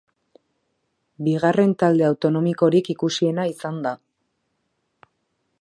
Bigarren talde autonomikorik ikusiena izan da.